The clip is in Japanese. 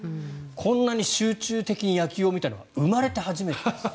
こんなに集中的に野球を見たのは生まれて初めてです。